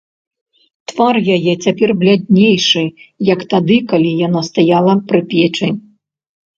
Твар яе цяпер бляднейшы, як тады, калі яна стаяла пры печы.